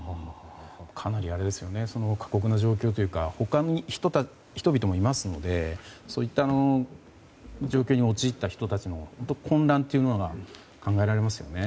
かなり過酷な状況というか他の人々もいますのでそういった状況に陥った人たちの混乱というのが考えられますよね。